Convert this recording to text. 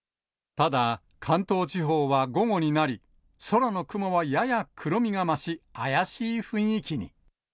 ただ関東地方は午後になり、空の雲はやや黒みが増し、怪しい雰囲気に。